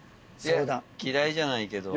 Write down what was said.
嫌いじゃないけど。